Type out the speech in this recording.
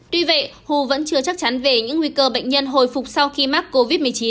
tuy vậy hu vẫn chưa chắc chắn về những nguy cơ bệnh nhân hồi phục sau khi mắc covid một mươi chín